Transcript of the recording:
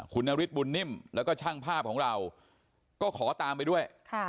คุณนฤทธบุญนิ่มแล้วก็ช่างภาพของเราก็ขอตามไปด้วย